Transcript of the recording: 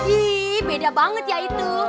ih beda banget ya itu